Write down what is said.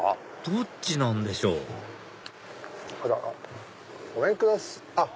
どっちなんでしょうごめんください